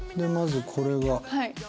まずこれが。